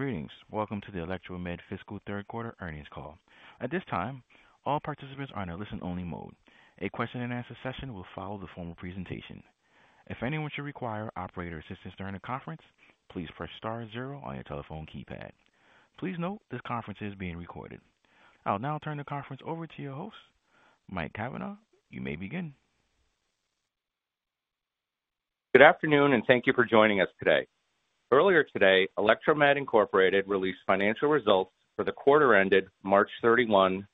Greetings. Welcome to the Electromed fiscal third quarter earnings call. At this time, all participants are in a listen-only mode. A question and answer session will follow the formal presentation. If anyone should require operator assistance during the conference, please press star zero on your telephone keypad. Please note this conference is being recorded. I'll now turn the conference over to your host, Mike Cavanaugh. You may begin. Good afternoon, and thank you for joining us today. Earlier today, Electromed Incorporated released financial results for the quarter ended March 31,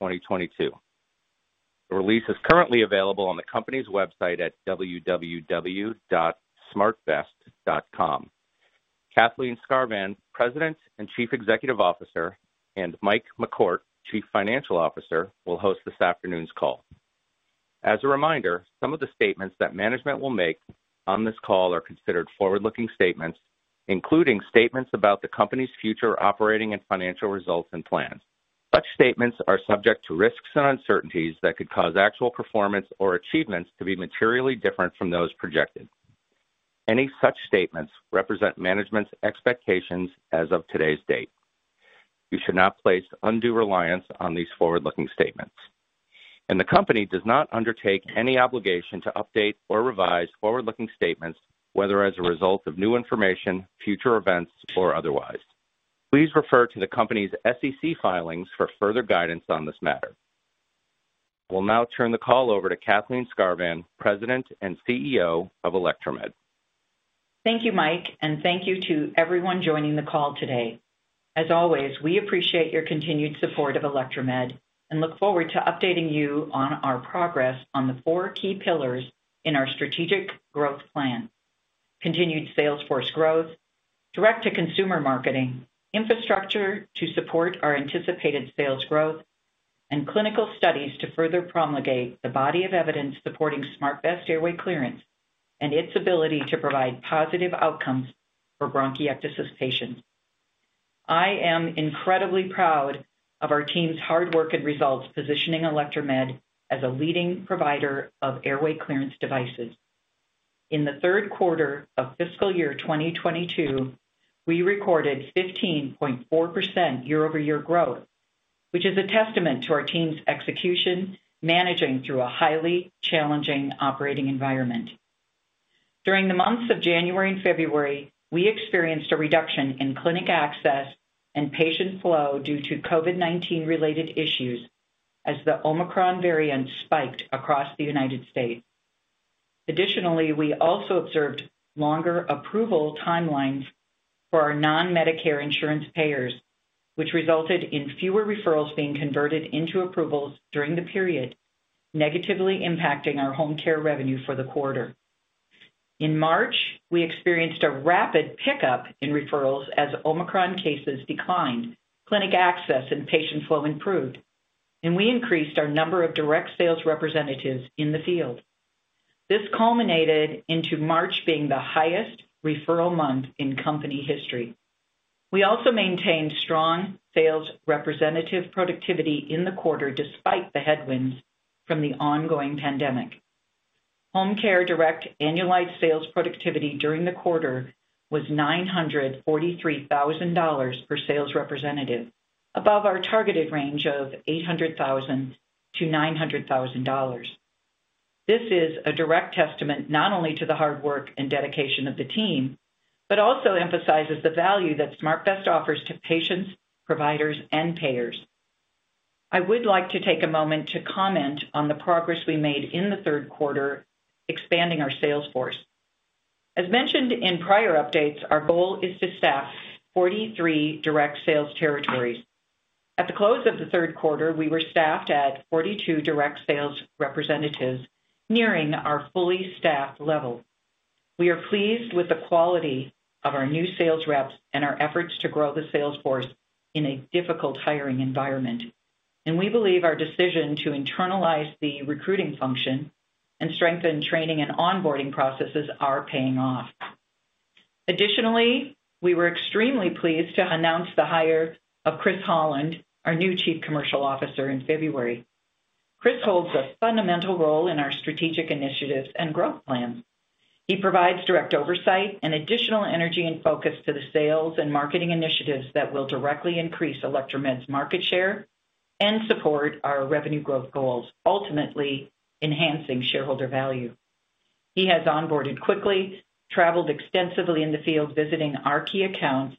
2022. The release is currently available on the company's website at www.smartvest.com. Kathleen Skarvan, President and Chief Executive Officer, and Mike MacCourt, Chief Financial Officer, will host this afternoon's call. As a reminder, some of the statements that management will make on this call are considered forward-looking statements, including statements about the company's future operating and financial results and plans. Such statements are subject to risks and uncertainties that could cause actual performance or achievements to be materially different from those projected. Any such statements represent management's expectations as of today's date. You should not place undue reliance on these forward-looking statements. The company does not undertake any obligation to update or revise forward-looking statements, whether as a result of new information, future events, or otherwise. Please refer to the company's SEC filings for further guidance on this matter. I will now turn the call over to Kathleen Skarvan, President and CEO of Electromed. Thank you, Mike, and thank you to everyone joining the call today. As always, we appreciate your continued support of Electromed and look forward to updating you on our progress on the four key pillars in our strategic growth plan. Continued sales force growth, direct-to-consumer marketing, infrastructure to support our anticipated sales growth, and clinical studies to further promulgate the body of evidence supporting SmartVest Airway Clearance and its ability to provide positive outcomes for bronchiectasis patients. I am incredibly proud of our team's hard work and results positioning Electromed as a leading provider of airway clearance devices. In the third quarter of fiscal year 2022, we recorded 15.4% year-over-year growth, which is a testament to our team's execution, managing through a highly challenging operating environment. During the months of January and February, we experienced a reduction in clinic access and patient flow due to COVID-19-related issues as the Omicron variant spiked across the United States. Additionally, we also observed longer approval timelines for our non-Medicare insurance payers, which resulted in fewer referrals being converted into approvals during the period, negatively impacting our home care revenue for the quarter. In March, we experienced a rapid pickup in referrals as Omicron cases declined, clinic access and patient flow improved, and we increased our number of direct sales representatives in the field. This culminated into March being the highest referral month in company history. We also maintained strong sales representative productivity in the quarter despite the headwinds from the ongoing pandemic. Home care direct annualized sales productivity during the quarter was $943 thousand per sales representative, above our targeted range of $800 thousand-$900 thousand. This is a direct testament not only to the hard work and dedication of the team, but also emphasizes the value that SmartVest offers to patients, providers, and payers. I would like to take a moment to comment on the progress we made in the third quarter expanding our sales force. As mentioned in prior updates, our goal is to staff 43 direct sales territories. At the close of the third quarter, we were staffed at 42 direct sales representatives, nearing our fully staffed level. We are pleased with the quality of our new sales reps and our efforts to grow the sales force in a difficult hiring environment, and we believe our decision to internalize the recruiting function and strengthen training and onboarding processes are paying off. Additionally, we were extremely pleased to announce the hire of Chris Holland, our new Chief Commercial Officer, in February. Chris holds a fundamental role in our strategic initiatives and growth plans. He provides direct oversight and additional energy and focus to the sales and marketing initiatives that will directly increase Electromed's market share and support our revenue growth goals, ultimately enhancing shareholder value. He has onboarded quickly, traveled extensively in the field visiting our key accounts,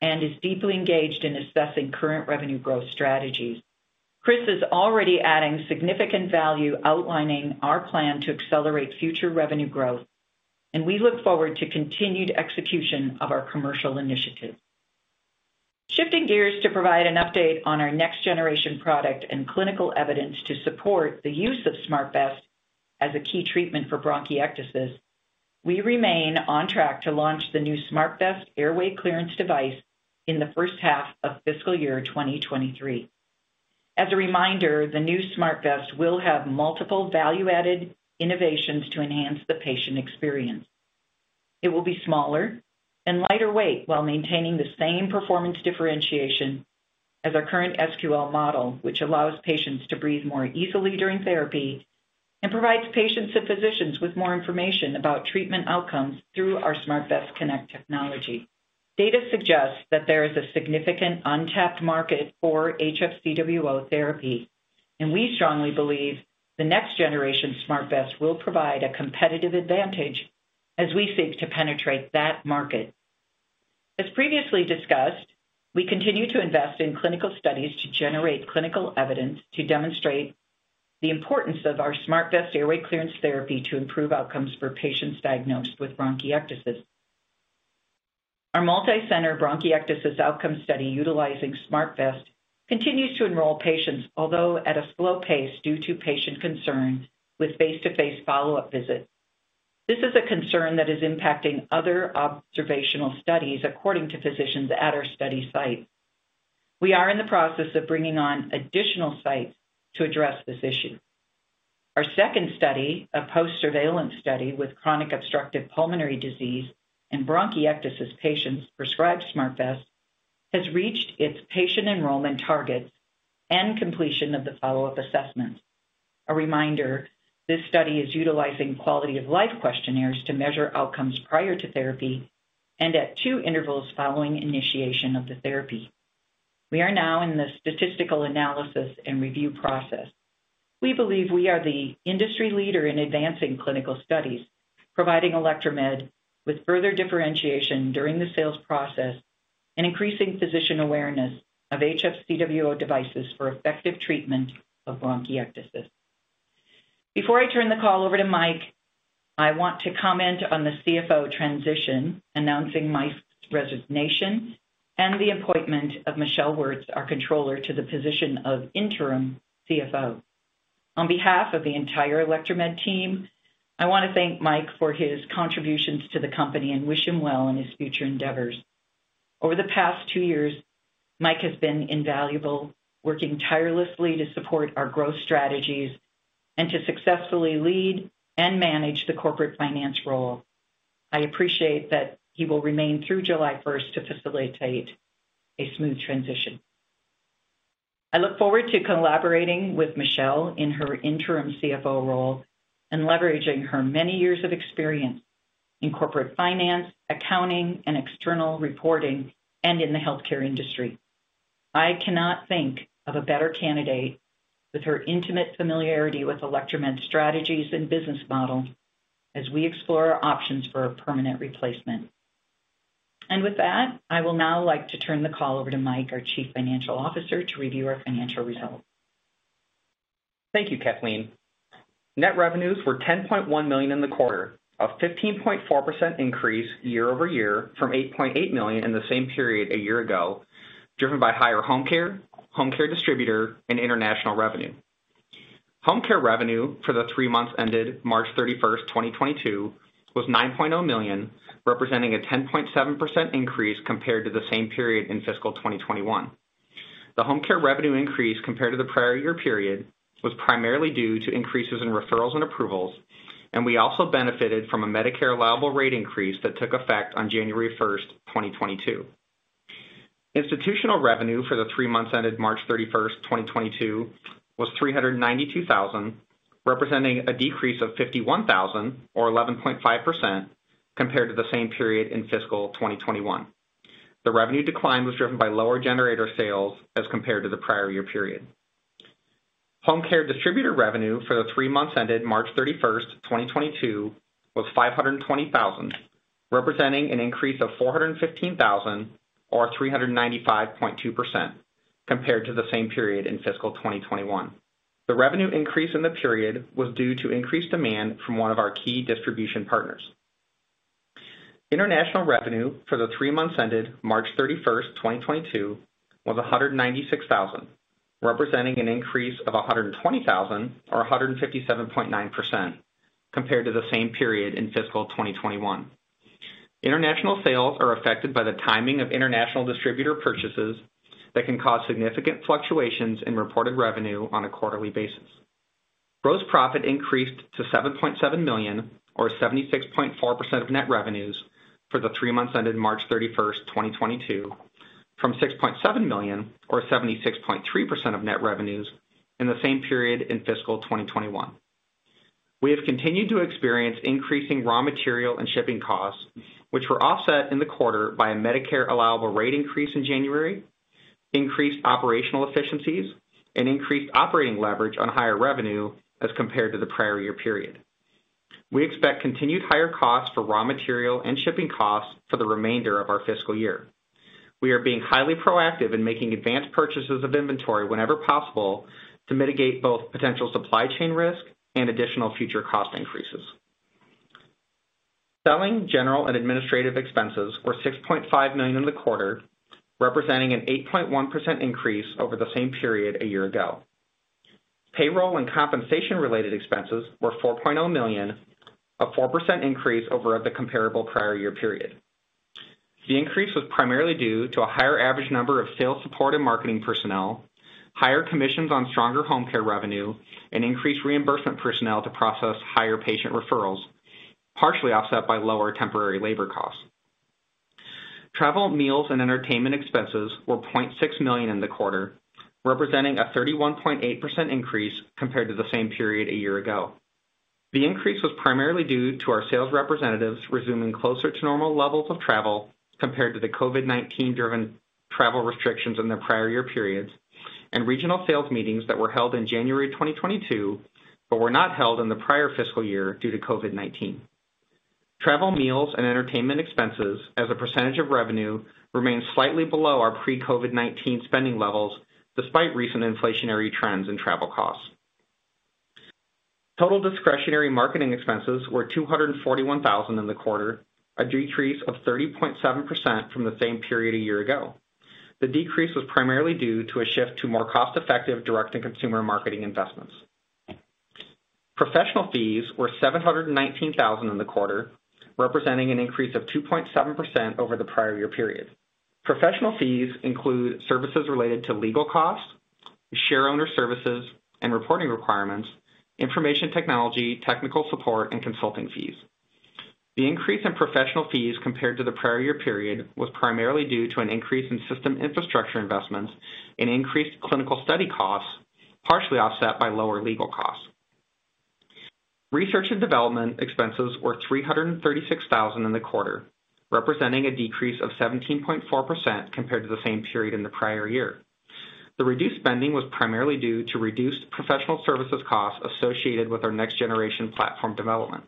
and is deeply engaged in assessing current revenue growth strategies. Chris is already adding significant value outlining our plan to accelerate future revenue growth, and we look forward to continued execution of our commercial initiatives. Shifting gears to provide an update on our next-generation product and clinical evidence to support the use of SmartVest as a key treatment for bronchiectasis. We remain on track to launch the new SmartVest airway clearance device in the first half of fiscal year 2023. As a reminder, the new SmartVest will have multiple value-added innovations to enhance the patient experience. It will be smaller and lighter weight while maintaining the same performance differentiation as our current SQL model, which allows patients to breathe more easily during therapy and provides patients and physicians with more information about treatment outcomes through our SmartVest Connect technology. Data suggests that there is a significant untapped market for HFCWO therapy, and we strongly believe the next generation SmartVest will provide a competitive advantage as we seek to penetrate that market. As previously discussed, we continue to invest in clinical studies to generate clinical evidence to demonstrate the importance of our SmartVest airway clearance therapy to improve outcomes for patients diagnosed with bronchiectasis. Our multi-center bronchiectasis outcome study utilizing SmartVest continues to enroll patients, although at a slow pace due to patient concerns with face-to-face follow-up visits. This is a concern that is impacting other observational studies according to physicians at our study site. We are in the process of bringing on additional sites to address this issue. Our second study, a post-surveillance study with chronic obstructive pulmonary disease in bronchiectasis patients prescribed SmartVest, has reached its patient enrollment targets and completion of the follow-up assessments. A reminder, this study is utilizing quality of life questionnaires to measure outcomes prior to therapy and at two intervals following initiation of the therapy. We are now in the statistical analysis and review process. We believe we are the industry leader in advancing clinical studies, providing Electromed with further differentiation during the sales process and increasing physician awareness of HFCWO devices for effective treatment of bronchiectasis. Before I turn the call over to Mike, I want to comment on the CFO transition, announcing Mike's resignation and the appointment of Michelle Wirtz, our controller, to the position of interim CFO. On behalf of the entire Electromed team, I want to thank Mike for his contributions to the company and wish him well in his future endeavors. Over the past two years, Mike has been invaluable, working tirelessly to support our growth strategies and to successfully lead and manage the corporate finance role. I appreciate that he will remain through July first to facilitate a smooth transition. I look forward to collaborating with Michelle in her interim CFO role and leveraging her many years of experience in corporate finance, accounting, and external reporting, and in the healthcare industry. I cannot think of a better candidate with her intimate familiarity with Electromed strategies and business model as we explore our options for a permanent replacement. With that, I would now like to turn the call over to Mike, our Chief Financial Officer, to review our financial results. Thank you, Kathleen. Net revenues were $10.1 million in the quarter, a 15.4% increase year-over-year from $8.8 million in the same period a year ago, driven by higher home care, home care distributor and international revenue. Home care revenue for the three months ended March 31, 2022 was $9.0 million, representing a 10.7% increase compared to the same period in fiscal 2021. The home care revenue increase compared to the prior year period was primarily due to increases in referrals and approvals, and we also benefited from a Medicare allowable rate increase that took effect on January 1, 2022. Institutional revenue for the three months ended March 31, 2022 was $392,000, representing a decrease of $51,000 or 11.5% compared to the same period in fiscal 2021. The revenue decline was driven by lower generator sales as compared to the prior year period. Home care distributor revenue for the three months ended March 31, 2022 was $520,000, representing an increase of $415,000 or 395.2% compared to the same period in fiscal 2021. The revenue increase in the period was due to increased demand from one of our key distribution partners. International revenue for the three months ended March 31, 2022 was $196,000, representing an increase of $120,000 or 157.9% compared to the same period in fiscal 2021. International sales are affected by the timing of international distributor purchases that can cause significant fluctuations in reported revenue on a quarterly basis. Gross profit increased to $7.7 million or 76.4% of net revenues for the three months ended March 31, 2022, from $6.7 million or 76.3% of net revenues in the same period in fiscal 2021. We have continued to experience increasing raw material and shipping costs, which were offset in the quarter by a Medicare allowable rate increase in January, increased operational efficiencies and increased operating leverage on higher revenue as compared to the prior year period. We expect continued higher costs for raw material and shipping costs for the remainder of our fiscal year. We are being highly proactive in making advanced purchases of inventory whenever possible to mitigate both potential supply chain risk and additional future cost increases. Selling, General and Administrative expenses were $6.5 million in the quarter, representing an 8.1% increase over the same period a year ago. Payroll and compensation related expenses were $4.0 million, a 4% increase over the comparable prior year period. The increase was primarily due to a higher average number of sales support and marketing personnel, higher commissions on stronger home care revenue, and increased reimbursement personnel to process higher patient referrals. Partially offset by lower temporary labor costs. Travel, meals, and entertainment expenses were $0.6 million in the quarter, representing a 31.8% increase compared to the same period a year ago. The increase was primarily due to our sales representatives resuming closer to normal levels of travel compared to the COVID-19 driven travel restrictions in the prior year periods and regional sales meetings that were held in January 2022, but were not held in the prior fiscal year due to COVID-19. Travel, meals, and entertainment expenses as a percentage of revenue remains slightly below our pre-COVID-19 spending levels, despite recent inflationary trends in travel costs. Total discretionary marketing expenses were $241 thousand in the quarter, a decrease of 30.7% from the same period a year ago. The decrease was primarily due to a shift to more cost-effective direct-to-consumer marketing investments. Professional fees were $719 thousand in the quarter, representing an increase of 2.7% over the prior year period. Professional fees include services related to legal costs, shareholder services and reporting requirements, information technology, technical support, and consulting fees. The increase in professional fees compared to the prior year period was primarily due to an increase in system infrastructure investments and increased clinical study costs, partially offset by lower legal costs. Research and development expenses were $336 thousand in the quarter, representing a decrease of 17.4% compared to the same period in the prior year. The reduced spending was primarily due to reduced professional services costs associated with our next generation platform development.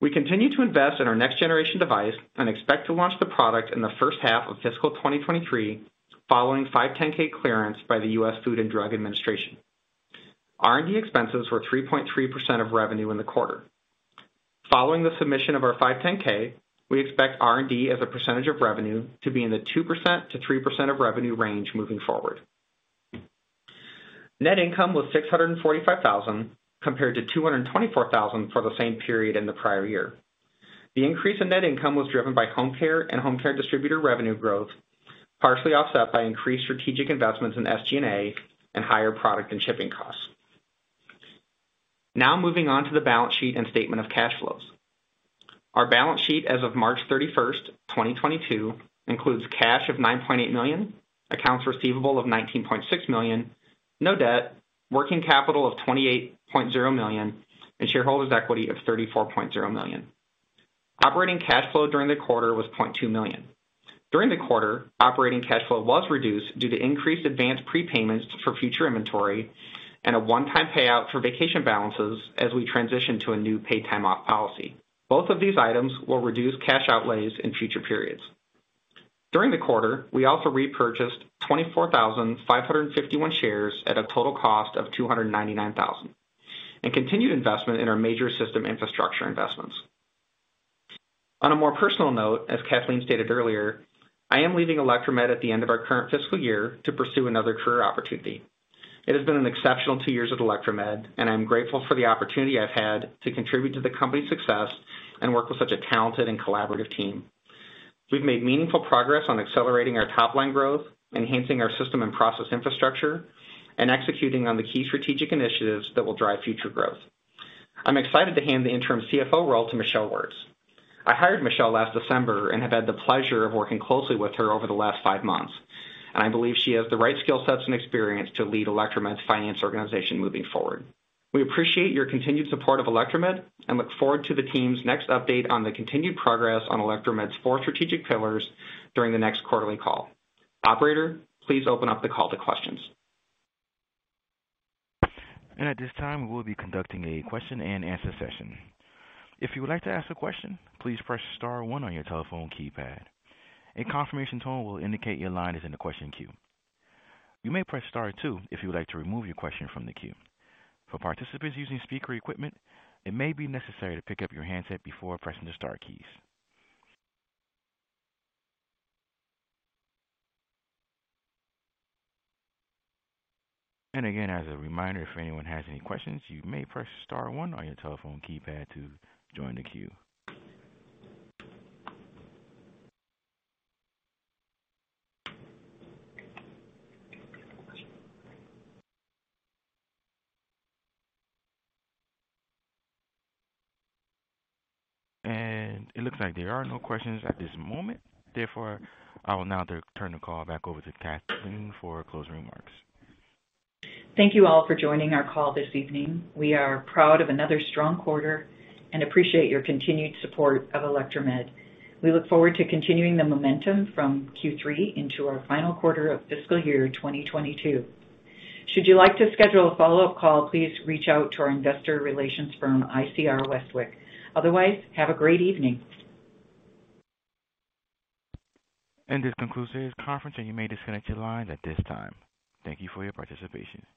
We continue to invest in our next generation device and expect to launch the product in the first half of fiscal 2023, following 510(k) clearance by the US Food and Drug Administration. R&D expenses were 3.3% of revenue in the quarter. Following the submission of our 510(k), we expect R&D as a percentage of revenue to be in the 2%-3% of revenue range moving forward. Net income was $645,000 compared to $224,000 for the same period in the prior year. The increase in net income was driven by home care and home care distributor revenue growth, partially offset by increased strategic investments in SG&A and higher product and shipping costs. Now moving on to the balance sheet and statement of cash flows. Our balance sheet as of March 31, 2022, includes cash of $9.8 million, accounts receivable of $19.6 million, no debt, working capital of $28.0 million, and shareholders equity of $34.0 million. Operating cash flow during the quarter was $0.2 million. During the quarter, operating cash flow was reduced due to increased advanced prepayments for future inventory and a one-time payout for vacation balances as we transition to a new paid time off policy. Both of these items will reduce cash outlays in future periods. During the quarter, we also repurchased 24,551 shares at a total cost of $299,000, and continued investment in our major system infrastructure investments. On a more personal note, as Kathleen stated earlier, I am leaving Electromed at the end of our current fiscal year to pursue another career opportunity. It has been an exceptional two years at Electromed, and I'm grateful for the opportunity I've had to contribute to the company's success and work with such a talented and collaborative team. We've made meaningful progress on accelerating our top line growth, enhancing our system and process infrastructure, and executing on the key strategic initiatives that will drive future growth. I'm excited to hand the interim CFO role to Michelle Wirtz. I hired Michelle last December and have had the pleasure of working closely with her over the last five months. I believe she has the right skill sets and experience to lead Electromed's finance organization moving forward. We appreciate your continued support of Electromed and look forward to the team's next update on the continued progress on Electromed's four strategic pillars during the next quarterly call. Operator, please open up the call to questions. At this time, we will be conducting a question and answer session. If you would like to ask a question, please press star one on your telephone keypad. A confirmation tone will indicate your line is in the question queue. You may press star two if you would like to remove your question from the queue. For participants using speaker equipment, it may be necessary to pick up your handset before pressing the star keys. Again, as a reminder, if anyone has any questions, you may press star one on your telephone keypad to join the queue. It looks like there are no questions at this moment. Therefore, I will now turn the call back over to Kathleen for closing remarks. Thank you all for joining our call this evening. We are proud of another strong quarter and appreciate your continued support of Electromed. We look forward to continuing the momentum from Q3 into our final quarter of fiscal year 2022. Should you like to schedule a follow-up call, please reach out to our investor relations firm, ICR Westwicke. Otherwise, have a great evening. This concludes today's conference, and you may disconnect your line at this time. Thank you for your participation.